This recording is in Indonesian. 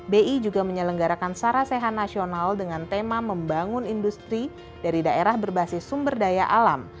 bi juga menyelenggarakan sarasehan nasional dengan tema membangun industri dari daerah berbasis sumber daya alam